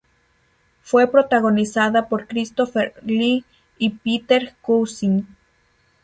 Fue protagonizada por Christopher Lee y Peter Cushing.